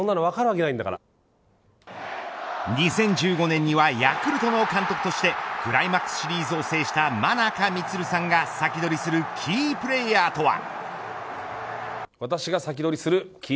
２０１５年にはヤクルトの監督としてクライマックスシリーズを制した真中満さんがサキドリするキープレイヤーとは。